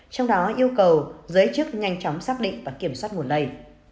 trong đó yêu cầu giới chức nhanh chóng xác định và kiểm soát nguồn lây